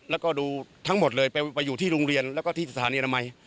แล้วก็ดูทั้งหมดเลยไปอยู่ที่โรงเรียนแล้วก็ที่สถานีอนามัย